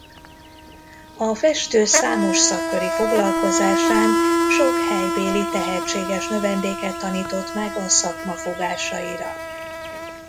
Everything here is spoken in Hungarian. A festő számos szakköri foglalkozásán sok helybéli tehetséges növendéket tanított meg a szakma fogásaira.